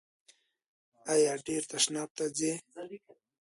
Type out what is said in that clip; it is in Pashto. ایا ډیر تشناب ته ځئ؟